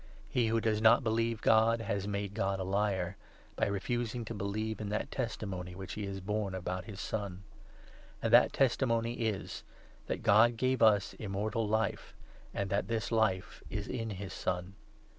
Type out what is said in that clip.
He who does not believe God has made God a liar, by refusing to believe in that testimony which he has borne about his Son. And that testimony is that God gave us Immortal Life, n and that this Life is in his Son.